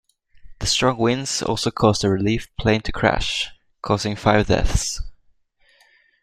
The strong winds also caused a relief plane to crash, causing five deaths.